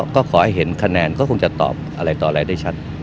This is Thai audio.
ก็ขอให้เห็นคะแนนก็คงจะตอบอะไรต่ออะไรได้ชัด